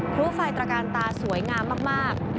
พลุไฟตระการตาสวยงามมาก